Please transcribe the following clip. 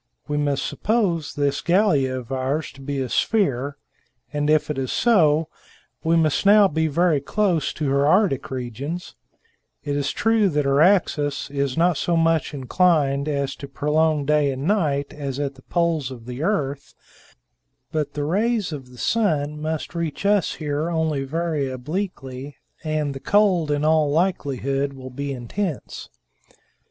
We must suppose this Gallia of ours to be a sphere, and if it is so, we must now be very close to her Arctic regions; it is true that her axis is not so much inclined as to prolong day and night as at the poles of the earth, but the rays of the sun must reach us here only very obliquely, and the cold, in all likelihood, will be intense."